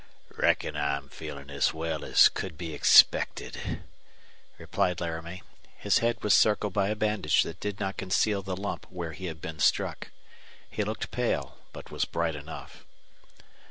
"Reckon I'm feelin' as well as could be expected," replied Laramie. His head was circled by a bandage that did not conceal the lump where he had been struck. He looked pale, but was bright enough.